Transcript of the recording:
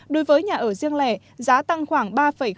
đối với nhà ở riêng lẻ giá tăng khoảng ba năm